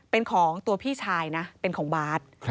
เป็นของตัวพี่ชายนะเป็นของบาร์ด